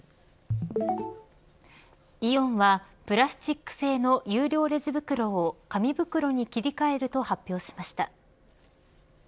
イオンは、プラスチック製の有料レジ袋を紙袋に切り替えると発表しました。